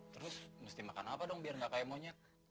terus mesti makan apa dong biar gak kayak monyet